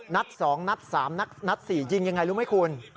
นัดสองนัดสามนัดสี่ยิงอย่างไรรู้ไหมคุณ